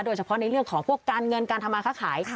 โดยเฉพาะในเรื่องของพวกการเงินการทำมาค้าขาย